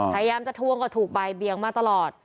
พยายามจะท่วงกับถูกใบเบี้ยงมาตลอด